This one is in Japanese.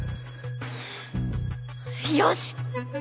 よし！